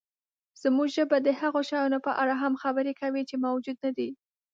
زموږ ژبه د هغو شیانو په اړه هم خبرې کوي، چې موجود نهدي.